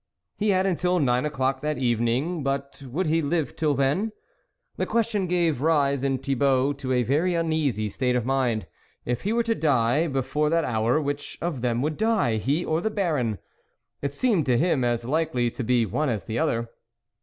He had until nine o'clock that evening ; but would he live till then ? This ques tion gave rise in Thibault to a very uneasy state of mind. If he were to die before that hour, which of them would die, he or the Baron ? It seemed to him as likely to be one as the other.